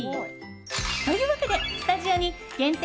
というわけでスタジオに限定